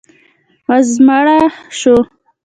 وزمړه سوه.